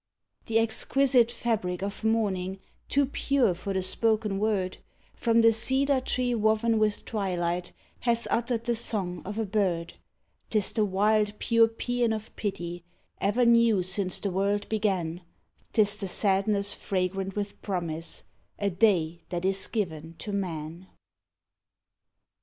The exquisite fabric of morning, too pure for the spoken word, From the cedar tree woven with twilight has uttered the song of a bird, 'Tis the wild, pure paean of pity, ever new since the world began, 'Tis the sadness fragrant with promise a day that is given to Man